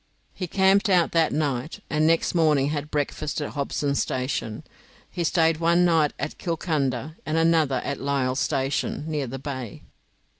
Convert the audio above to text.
He camped out that night, and next morning had breakfast at Hobson's Station. He stayed one night at Kilcunda, and another at Lyle's station, near the bay.